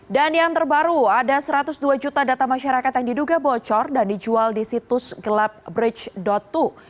dan yang terbaru ada satu ratus dua juta data masyarakat yang diduga bocor dan dijual di situs gelapbridge to